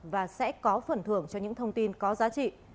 và sẽ có phần thưởng cho những thông tin có giá trị